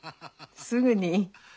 すぐに。